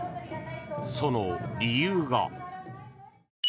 その理由が。